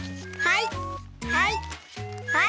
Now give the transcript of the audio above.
はい！